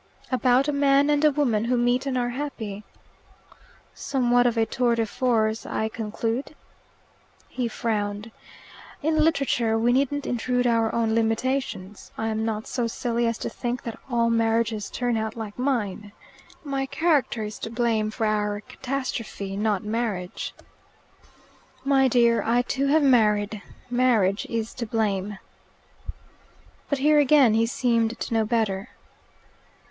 "About a man and a woman who meet and are happy." "Somewhat of a tour de force, I conclude." He frowned. "In literature we needn't intrude our own limitations. I'm not so silly as to think that all marriages turn out like mine. My character is to blame for our catastrophe, not marriage." "My dear, I too have married; marriage is to blame." But here again he seemed to know better.